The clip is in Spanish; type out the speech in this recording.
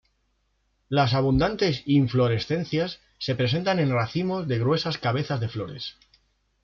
Las abundantes inflorescencias se presentan en racimos de gruesas cabezas de flores.